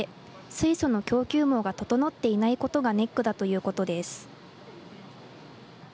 水素の供給網が整っていないことがネックだということです。